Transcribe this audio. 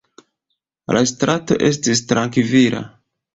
La strato estis trankvila.